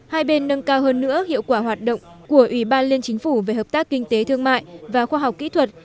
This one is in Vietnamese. hai bên nâng cao hơn nữa hiệu quả hoạt động của ủy ban liên chính phủ về hợp tác kinh tế thương mại và khoa học kỹ thuật